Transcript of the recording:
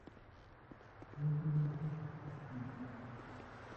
因部位不同而異